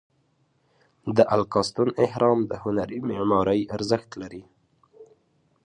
د الکاستون اهرام د هنري معمارۍ ارزښت لري.